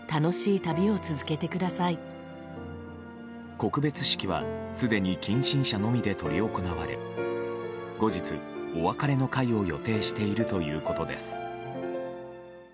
告別式はすでに近親者のみで執り行われ後日、お別れの会を予定しているということです。